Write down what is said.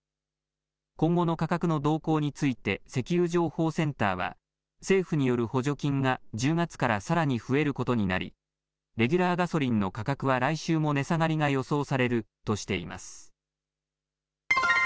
今後の価格の動向について、石油情報センターは、政府による補助金が１０月からさらに増えることになり、レギュラーガソリンの価格は来週も値下がりが予想されるとしています。